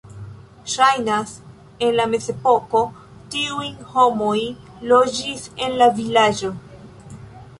Ŝajnas, en la mezepoko tiuj homoj loĝis en la vilaĝo.